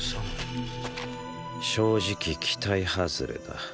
正直期待外れだ。